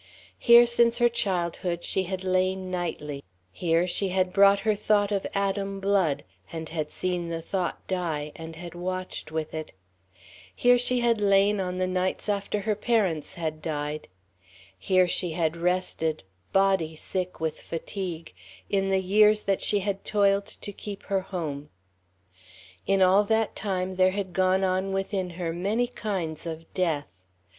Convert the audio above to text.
Here, since her childhood she had lain nightly; here she had brought her thought of Adam Blood, and had seen the thought die and had watched with it; here she had lain on the nights after her parents had died; here she had rested, body sick with fatigue, in the years that she had toiled to keep her home. In all that time there had gone on within her many kinds of death.